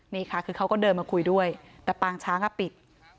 นี่ค่ะคือเขาก็เดินมาคุยด้วยแต่ปางช้างปิด